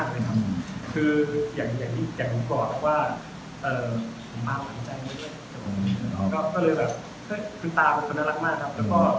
เป็นความน่ารักมากครับ